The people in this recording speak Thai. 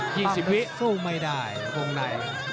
ยิงสิบวิปั้มแล้วสู้ไม่ได้โรงใน